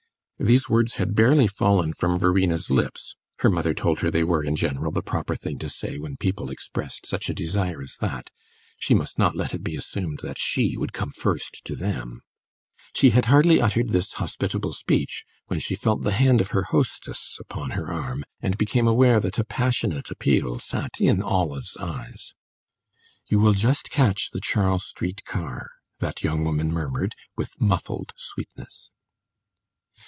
These words had barely fallen from Verena's lips (her mother told her they were, in general, the proper thing to say when people expressed such a desire as that; she must not let it be assumed that she would come first to them) she had hardly uttered this hospitable speech when she felt the hand of her hostess upon her arm and became aware that a passionate appeal sat in Olive's eyes. "You will just catch the Charles Street car," that young woman murmured, with muffled sweetness.